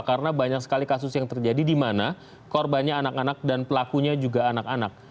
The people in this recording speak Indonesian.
karena banyak sekali kasus yang terjadi di mana korbannya anak anak dan pelakunya juga anak anak